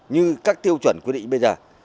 như các tiêu chuẩn quy định bây giờ